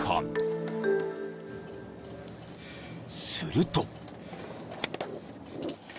［すると］